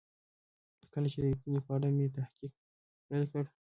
کله چې د لیکنې په اړه مې تحقیق پیل کړ.